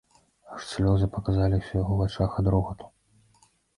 Аж слёзы паказаліся ў яго вачах ад рогату.